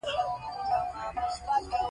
ډېر وګړي په خپله ټولنه کې ناانډولي کمه ګڼي.